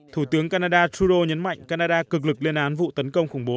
thủ tướng canada truro nhấn mạnh canada cực lực lên án vụ tấn công khủng bố